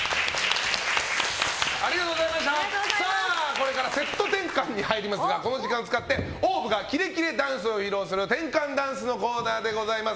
これからセット転換に入りますがこの時間を使ってＯＷＶがキレキレダンスを披露する転換ダンスのコーナーでございます。